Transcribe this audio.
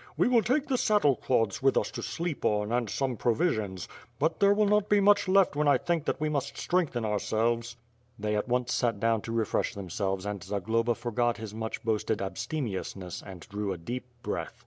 We will take the K;iddlc cloths with us to sleep on, and some provisions; but there will not be much left when I think that we must strengthen ourselves." 1'hey at once sat down to refresh themselves and Zagloba forgot his much boasted abstemiousness and drew a deep breath.